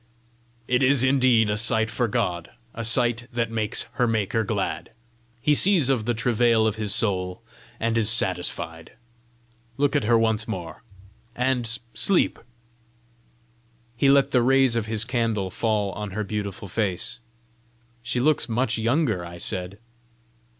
"It is indeed a sight for God, a sight that makes her Maker glad! He sees of the travail of His soul, and is satisfied! Look at her once more, and sleep." He let the rays of his candle fall on her beautiful face. "She looks much younger!" I said.